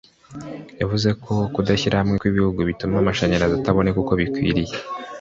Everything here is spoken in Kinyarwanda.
yavuze ko kudashyira hamwe kw’ibihugu bituma amashanyarazi ataboneka uko bikwiye